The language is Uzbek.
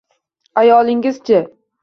Ayolingiz-chi?